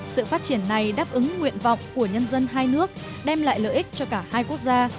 sự phát triển này đáp ứng nguyện vọng của nhân dân hai nước đem lại lợi ích cho cả hai quốc gia